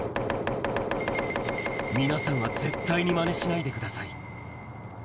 皆さんは絶対にまねしないでください。